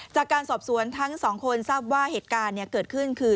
จากการสอบสวนทั้งสองคนทราบว่าเหตุการณ์เกิดขึ้นคือ